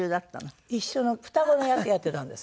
一緒の双子の役やってたんです。